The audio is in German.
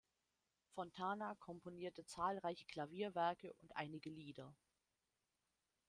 Fontana komponierte zahlreiche Klavierwerke und einige Lieder.